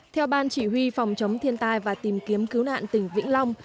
theo ban chỉ huy phòng chống thiên tai và tìm kiếm cứu nạn tỉnh vĩnh long